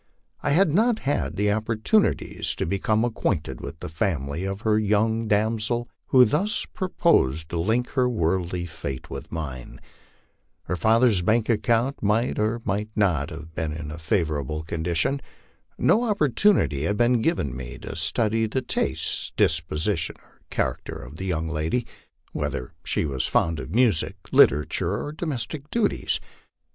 I had not had opportunities to become acquainted with the family of the young damsel who thus proposed to link her worldly fate with mine. Her father's bank account might or might not be in a favorable condition. No op portunity had been given me to study the tastes, disposition, or character of the young lady whether she was fond of music, literature, or domestic duties.